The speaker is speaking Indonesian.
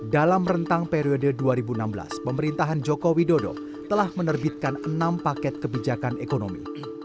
dalam rentang periode dua ribu enam belas pemerintahan joko widodo telah menerbitkan enam paket kebijakan ekonomi